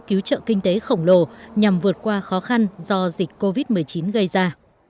cứu trợ kinh tế khổng lồ nhằm vượt qua khó khăn do dịch covid một mươi chín gây ra